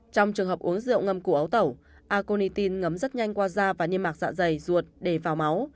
trong trường hợp uống rượu ngâm củ ấu tẩu aconitin ngấm rất nhanh qua da và nhiên mạc dạ dày ruột đề vào máu